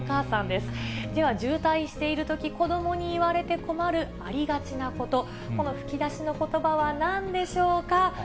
では、渋滞しているとき、子どもに言われて困るありがちなこと、この吹き出しのことばはなんでしょうか。